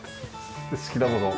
好きなものを。